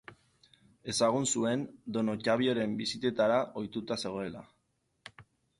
Ezagun zuen don Ottavioren bisitetara ohituta zegoela.